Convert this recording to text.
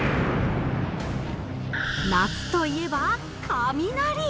夏といえば雷。